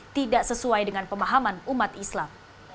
tidak sesuai dengan pemahaman umat islam